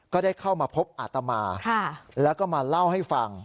ก็ได้เข้ามาพบอาตมาแล้วก็มาเล่าให้ฟัง